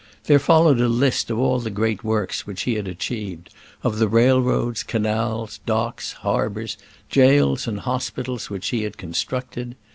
Then followed a list of all the great works which he had achieved, of the railroads, canals, docks, harbours, jails, and hospitals which he had constructed.